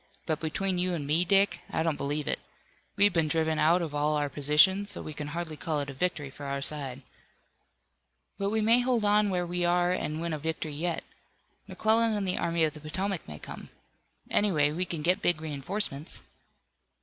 But between you and me, Dick, I don't believe it. We've been driven out of all our positions, so we can hardly call it a victory for our side." "But we may hold on where we are and win a victory yet. McClellan and the Army of the Potomac may come. Anyway, we can get big reinforcements."